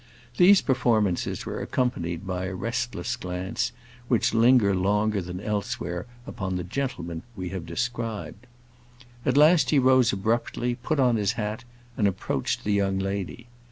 These performances were accompanied by a restless glance, which lingered longer than elsewhere upon the gentleman we have described. At last he rose abruptly, put on his hat, and approached the young lady.